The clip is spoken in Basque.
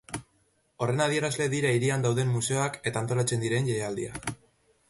Horren adierazle dira hirian dauden museoak eta antolatzen diren jaialdiak.